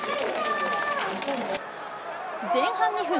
前半２分。